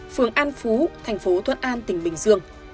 phường an phú thành phố thuận an tỉnh bình dương